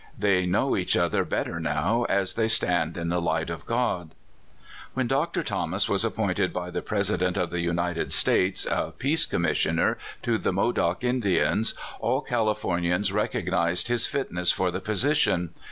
They know each other better now, as they stand in the light of God. When Dr. Thomas was appointed by the Presi dent of the United States a peace commissioner to the Modoc Indians, all Californians recognized his fitness for the. position.